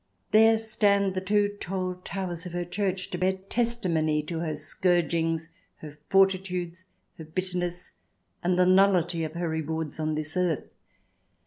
There stand the two tall towers of her church to bear testimony to her scourgings, her fortitudes, her bitterness, and the nullity of her rewards on this earth.